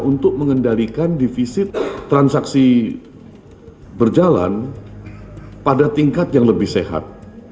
untuk mengendalikan defisit transaksi berjalan pada tingkat yang lebih sehat